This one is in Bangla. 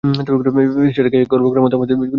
সেটা নিয়ে গর্ব করবার মতো জোর আমাদের খুলির তলায় নেই।